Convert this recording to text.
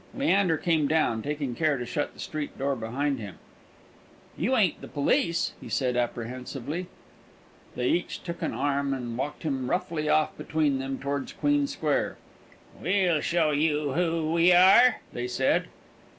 Leander came down, taking care to shut the street door behind him. "You ain't the police?" he said, apprehensively. They each took an arm, and walked him roughly off between them towards Queen Square. "We'll show you who we are," they said.